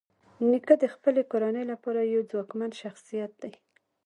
نیکه د خپلې کورنۍ لپاره یو ځواکمن شخصیت دی.